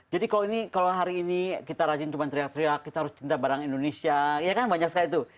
jadi kalau ini kalau hari ini kita rajin cuma teriak teriak kita harus cinta barang indonesia ya kan banyak sekali itu